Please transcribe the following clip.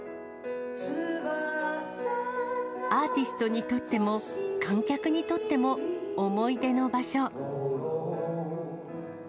アーティストにとっても、観客にとっても、思い出の場所。